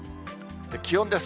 気温です。